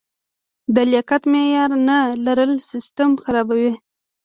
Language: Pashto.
د لیاقت معیار نه لرل سیستم خرابوي.